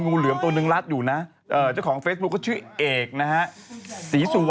งูเหลือมงูเหลือม